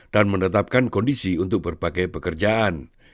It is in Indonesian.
dan menetapkan kondisi untuk berbagai pekerjaan